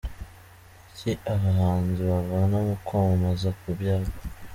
Ni iki abahanzi bavana mu kwamamaza ku byapa?